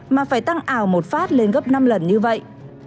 mà phải tăng ảo một phát lên gấp năm lần như vậy